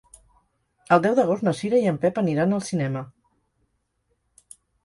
El deu d'agost na Cira i en Pep aniran al cinema.